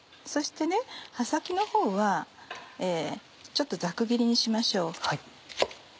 そして葉先のほうはちょっとざく切りにしましょう。